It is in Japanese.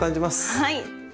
はい。